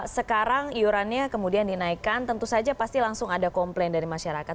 sekarang iurannya kemudian dinaikkan tentu saja pasti langsung ada komplain dari masyarakat